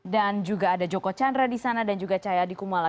dan juga ada joko chandra di sana dan juga caya di kumala